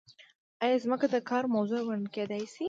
ایا ځمکه د کار موضوع ګڼل کیدای شي؟